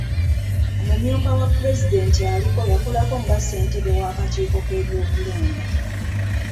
Omumyuka wa pulezidenti aliko yakolako nga ssentebe w'akakiiko k'ebyokulonda.